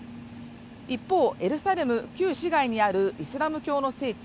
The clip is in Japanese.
一方エルサレム旧市街にあるイスラム教の聖地